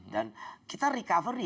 dan kita recovery